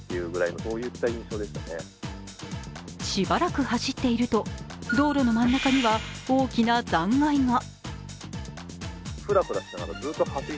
しばらく走っていると、道路の真ん中には大きな残骸が。